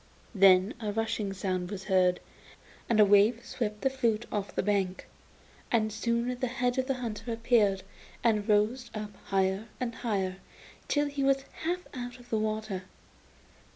Then a rushing sound was heard, and a wave swept the flute off the bank, and soon the head of the hunter appeared and rose up higher and higher till he was half out of the water.